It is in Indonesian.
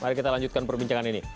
mari kita lanjutkan perbincangan ini